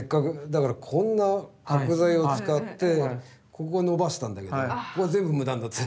だからこんな角材を使ってここを伸ばしたんだけどここは全部無駄になって。